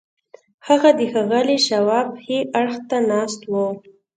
هغه د ښاغلي شواب ښي اړخ ته ناست و